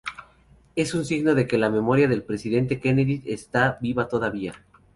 Es un signo de que la memoria del Presidente Kennedy está viva todavía.